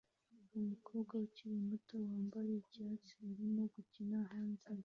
Umukobwa ukiri muto wambaye icyatsi arimo gukina hanze